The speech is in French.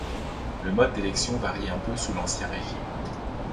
Le mode d'élection varie peu sous l'Ancien Régime.